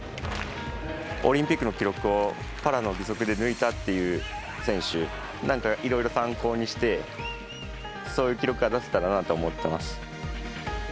オリンピックの記録をパラの義足で抜いたっていう選手なんかいろいろ参考にしてそういう記録が出せたらなと思っています。